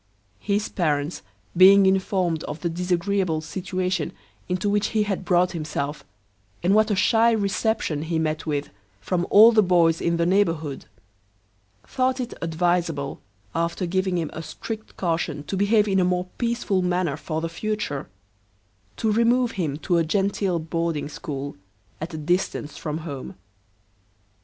His parents being informed of the disagreeable situation into which he had brought himself, and what a shy reception he met with from all the boys in the neighbourhood, thought it adviseable, after giving him a strict caution to behave in a more peaceable manner for the future, to remove him to a genteel boarding school, at a distance from home.